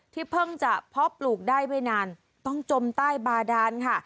เพิ่งจะเพาะปลูกได้ไม่นานต้องจมใต้บาดานค่ะ